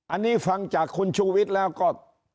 อันนี้ฟังจากคุณชูวิทย์แล้วก็